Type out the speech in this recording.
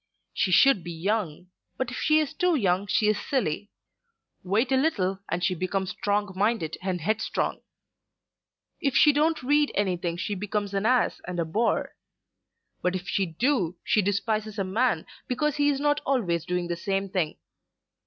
She should be young; but if she is too young she is silly: wait a little and she becomes strong minded and headstrong. If she don't read anything she becomes an ass and a bore; but if she do she despises a man because he is not always doing the same thing.